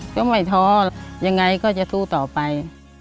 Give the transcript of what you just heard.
ก็ไม่ท้อยังไงก็จะสู้ต่อไป